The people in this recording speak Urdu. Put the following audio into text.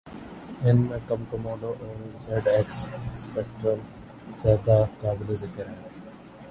ان میں کمکموڈو اور زیڈ ایکس اسپیکٹرم زیادہ قابل ذکر ہیں